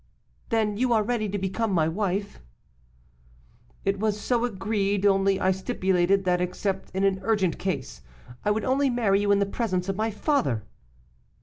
'Then, you are ready to become my wife?' 'It was so agreed; only I stipulated that except in an urgent case, I would only marry you in the presence of my father.